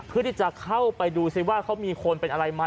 เพื่อที่จะเข้าไปดูซิว่าเขามีคนเป็นอะไรไหม